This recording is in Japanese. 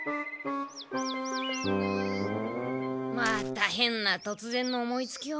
また変な突然の思いつきを。